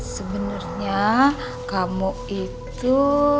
sebenernya kamu itu